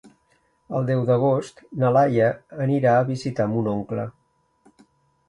El deu d'agost na Laia anirà a visitar mon oncle.